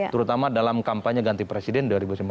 terutama dalam kampanye ganti presiden dua ribu sembilan belas